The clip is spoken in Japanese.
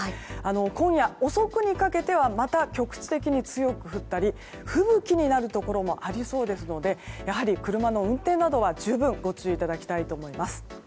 今夜遅くにかけてはまた局地的に強く降ったり吹雪になるところもありそうですのでやはり、車の運転などは十分ご注意いただきたいです。